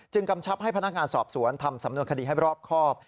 กำชับให้พนักงานสอบสวนทำสำนวนคดีให้รอบครอบ